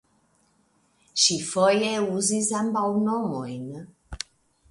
Ŝi foje uzis ambaŭ nomojn.